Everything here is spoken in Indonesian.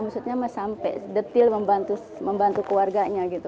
maksudnya sampai detil membantu keluarganya gitu